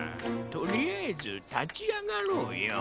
とりあえずたちあがろうよ。